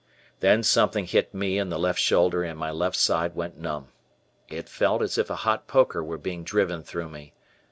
Then something hit me in the left shoulder and my left side went numb. It felt as if a hot poker was being driven through me.